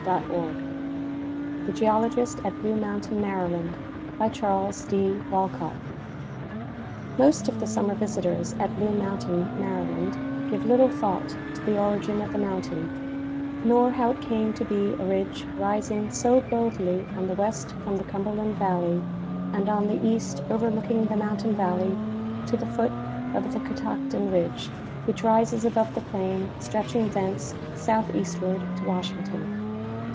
V, 1893. THE GEOLOGIST AT BLUE MOUNTAIN, MARYLAND BY CHARLES D. WALCOTT Most of the summer visitors at Blue mountain, Maryland, give little thought to the origin of the mountain, nor how it came to be a ridge rising so boldly on the west from the Cum berland valley and on the east overlooking the mountain valley to the foot of the Catoctin ridge, which rises above the plain stretching thence southeastward to Washington.